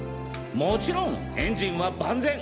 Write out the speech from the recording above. もちろんエンジンは万全！